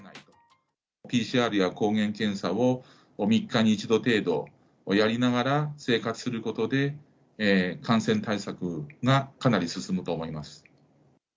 ＰＣＲや抗原検査を３日に１度程度やりながら、生活することで、感染対策がかなり進むと思います。